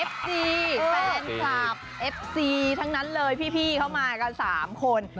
เอฟซีแฟนกราบเอฟซีทั้งนั้นเลยพี่เขามากับสามคน